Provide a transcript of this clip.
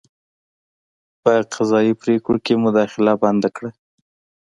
په قضايي پرېکړو کې مداخله بنده کړه.